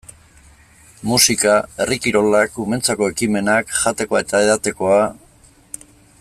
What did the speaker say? Musika, herri kirolak, umeentzako ekimenak, jatekoa eta edatekoa...